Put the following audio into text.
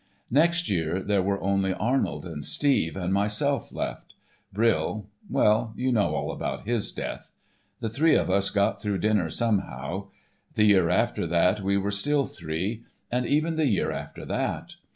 "Next year there were only Arnold and Steve, and myself left. Brill—well you know all about his death. The three of us got through dinner somehow. The year after that we were still three, and even the year after that.